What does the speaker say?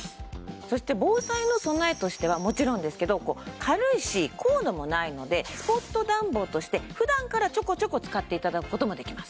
そして防災の備えとしてはもちろんですけど軽いしコードもないのでスポット暖房として普段からちょこちょこ使って頂く事もできます。